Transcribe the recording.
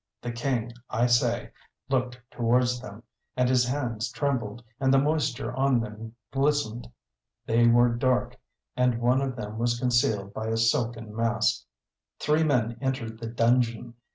The King, I say, looked towards them, and his hands trembled, and the moisture on them glistened. They were dark, and one of them was concealed by a silken mask. Three men entered the dungeon.